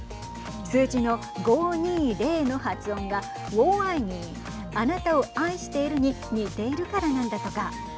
数字の５２０の発音がウォー・アイ・ニーあなたを愛しているに似ているからなんだとか。